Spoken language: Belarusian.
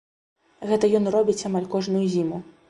Гэта ён робіць амаль кожную зіму.